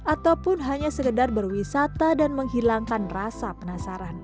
ataupun hanya sekedar berwisata dan menghilangkan rasa penasaran